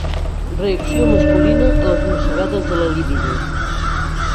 Reacció masculina a les mossegades de la libido.